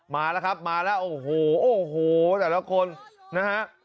มาแล้วครับมาแล้วโอ้โหโอ้โหแต่ละคนนะฮะ